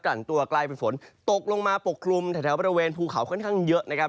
ตัวกลายเป็นฝนตกลงมาปกคลุมแถวบริเวณภูเขาค่อนข้างเยอะนะครับ